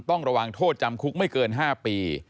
ต้องระวังโทษจำคุกไม่เกิน๕ปี